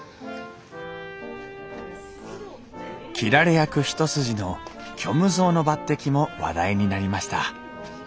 斬られ役ひと筋の虚無蔵の抜てきも話題になりました。